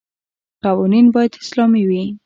قوانین باید اسلامي وي.